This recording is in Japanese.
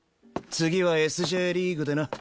次はＳ／Ｊリーグでな。